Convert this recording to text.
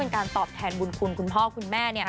การตอบแทนบุญคุณคุณพ่อคุณแม่